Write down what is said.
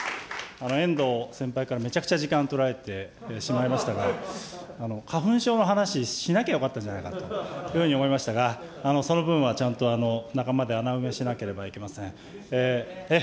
遠藤先輩からめちゃくちゃ時間とられてしまいましたが、花粉症の話、しなきゃよかったんじゃないかというふうに思いましたが、その分はちゃんと仲間で穴埋めしなければなりません。